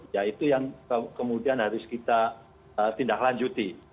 ya itu yang kemudian harus kita tindaklanjuti